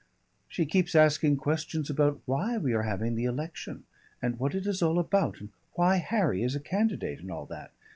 "She keeps asking questions about why we are having the election and what it is all about, and why Harry is a candidate and all that.